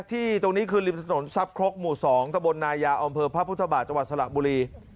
ที่ตรงนี้คือริมถนนทรัพย์ครกหมู่๒ตะบลนายาอำเภอพระพุทธบาทจังหวัดสระบุรี